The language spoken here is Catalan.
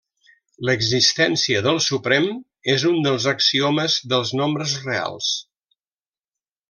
L'existència del suprem és un dels axiomes dels nombres reals.